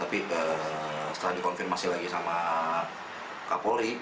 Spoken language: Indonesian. tapi setelah dikonfirmasi lagi sama kapolri